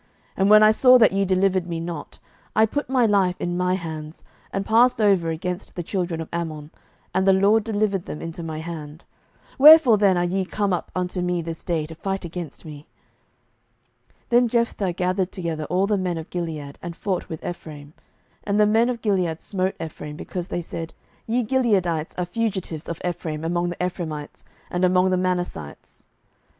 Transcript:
07:012:003 And when I saw that ye delivered me not, I put my life in my hands, and passed over against the children of Ammon, and the LORD delivered them into my hand: wherefore then are ye come up unto me this day, to fight against me? 07:012:004 Then Jephthah gathered together all the men of Gilead, and fought with Ephraim: and the men of Gilead smote Ephraim, because they said, Ye Gileadites are fugitives of Ephraim among the Ephraimites, and among the Manassites.